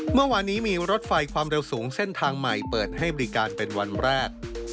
เมื่อวานนี้มีรถไฟความเร็วสูงเส้นทางใหม่เปิดให้บริการเป็นวันแรก